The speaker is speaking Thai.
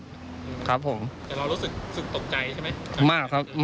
จะเรารู้สึกตกใจใช่ไหม